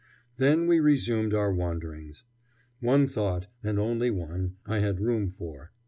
Then we resumed our wanderings. One thought, and only one, I had room for.